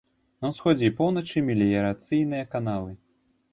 На ўсходзе і поўначы меліярацыйныя каналы.